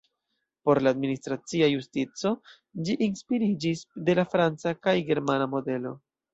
Por la administracia justico ĝi inspiriĝis de la franca kaj germana modeloj.